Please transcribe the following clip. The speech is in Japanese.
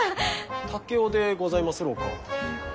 竹雄でございますろうか？